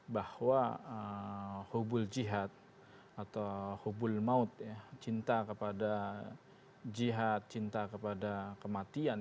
bahwa hubul jihad atau hubul maut cinta kepada jihad cinta kepada kematian